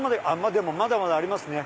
でもまだまだありますね